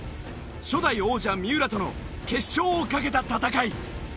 初代王者三浦との決勝をかけた戦い。